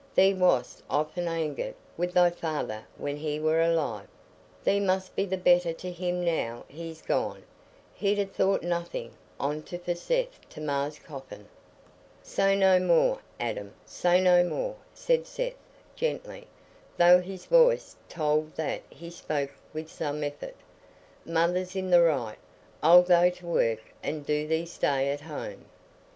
Thee wast often angered wi' thy feyther when he war alive; thee must be the better to him now he's gone. He'd ha' thought nothin' on't for Seth to ma's coffin." "Say no more, Adam, say no more," said Seth, gently, though his voice told that he spoke with some effort; "Mother's in the right. I'll go to work, and do thee stay at home."